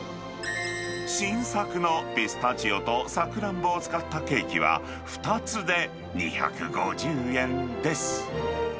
新作のピスタチオとサクランボを使ったケーキは、２つで２５０円です。